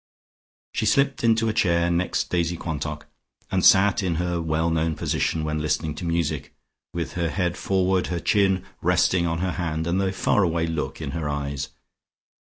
She slipped into a chair next Daisy Quantock, and sat in her well known position when listening to music, with her head forward, her chin resting on her hand, and the far away look in her eyes.